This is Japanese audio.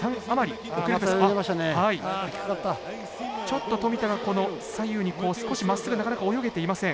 ちょっと富田が左右に少しまっすぐなかなか泳げていません。